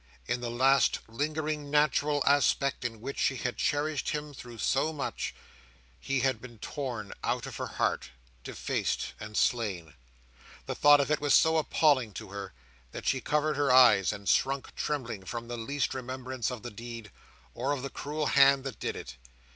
In the last lingering natural aspect in which she had cherished him through so much, he had been torn out of her heart, defaced, and slain. The thought of it was so appalling to her, that she covered her eyes, and shrunk trembling from the least remembrance of the deed, or of the cruel hand that did it.